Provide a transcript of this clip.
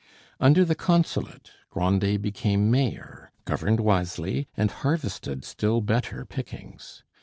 Under the Consulate Grandet became mayor, governed wisely, and harvested still better pickings.